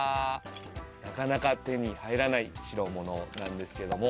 なかなか手に入らない代物なんですけども。